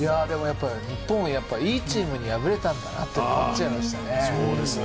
日本はやっぱりいいチームに敗れたんだなと思っちゃいますね。